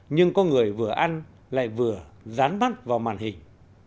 nhưng có người vừa ăn lại vừa dán mắt vào màn hình